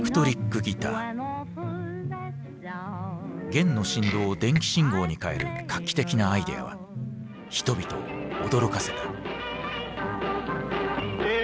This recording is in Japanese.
弦の振動を電気信号に変える画期的なアイデアは人々を驚かせた。